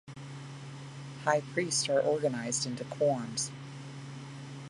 High priests are organized into quorums.